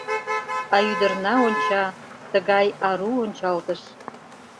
А ӱдырна онча, тыгай ару ончалтыш…